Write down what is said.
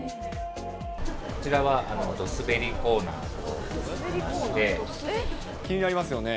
こちらはドすべりコーナーと気になりますよね。